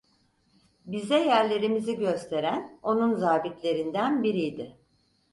Bize yerlerimizi gösteren, onun zabitlerinden biriydi.